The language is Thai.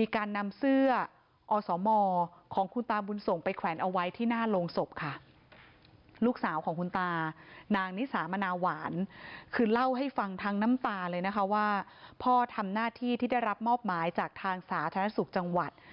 คือเล่าให้ฟังทั้งน้ำตาเลยนะคะว่าพ่อทำหน้าที่ที่ได้รับมอบหมายจากทางสาธารณสุขจังหวัด